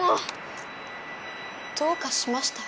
どうかしました？